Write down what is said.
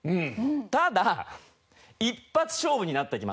ただ一発勝負になってきます。